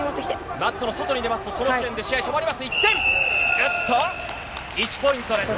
マットの外に出ますと、その時点で試合止まります。